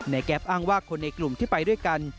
แก๊ปอ้างว่าคนในกลุ่มที่ไปด้วยกัน